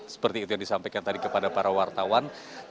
seperti itu yang disampaikan tadi kepada para wartawan